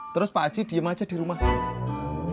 terus pak aji diem aja di rumah